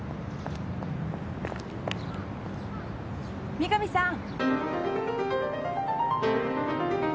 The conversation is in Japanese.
三神さん。